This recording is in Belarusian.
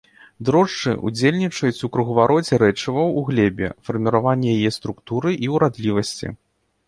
Дрожджы ўдзельнічаюць у кругавароце рэчываў у глебе, фарміраванні яе структуры і ўрадлівасці.